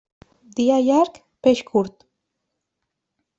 Dia llarg, peix curt.